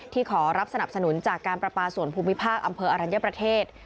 ขอรับสนับสนุนจากการประปาส่วนภูมิภาคอำเภออรัญญประเทศ